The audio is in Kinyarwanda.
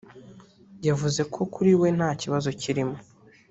yavuze ko kuri we nta kibazo kirimo